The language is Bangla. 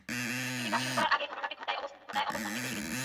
তিনি কাজ শুরু করার আগেই, ঘটনাটি ঘটায় অবস্থানটি ভেসে গেছে।